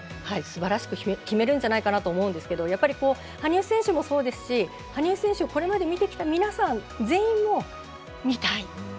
素晴らしく決めるんじゃないかなと思うんですけどやっぱり羽生選手もそうですし羽生選手をこれまで見てきた皆さん全員もう見たい。